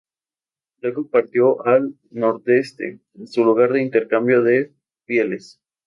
Luego partió al nordeste, a su lugar de intercambio de pieles.